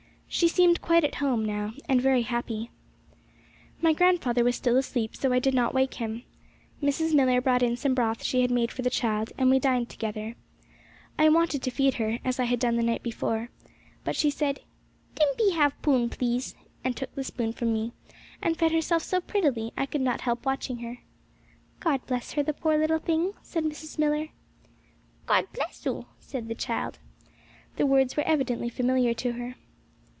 She seemed quite at home now and very happy. My grandfather was still asleep, so I did not wake him. Mrs. Millar brought in some broth she had made for the child, and we dined together. I wanted to feed her, as I had done the night before, but she said, 'Timpey have 'poon, please!' and took the spoon from me, and fed herself so prettily, I could not help watching her. 'God bless her, poor little thing!' said Mrs. Millar. 'God bless 'ou,' said the child. The words were evidently familiar to her.